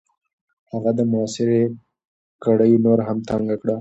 هغه د محاصرې کړۍ نوره هم تنګ کړه.